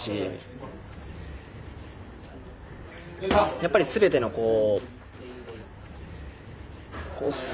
やっぱりすべてのこう。